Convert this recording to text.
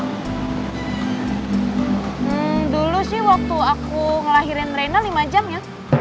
hmm dulu sih waktu aku ngelahirin rena lima jam ya